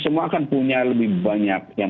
semua akan punya lebih banyak yang